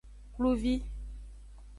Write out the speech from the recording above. Kluvi.